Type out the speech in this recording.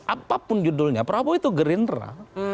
apapun judulnya prabowo itu gerindra